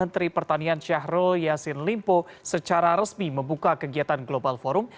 menteri pertanian syahrul yassin limpo secara resmi membuka kegiatan global forum